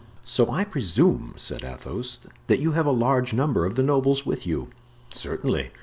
"So I presume," said Athos, "that you have a large number of the nobles with you?" "Certainly.